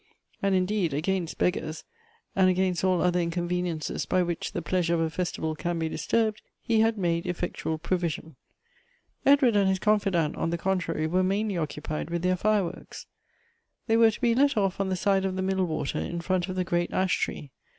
And, indeed, against beggars, and against all other inconveniences by which the pleasure of a festival can be disturbed, he had made effectual provision. Edward and his confidant, on the contrary, were mainly occupied with their fireworks. They were to be let off on the side of the middle water in front of the great ash tioc.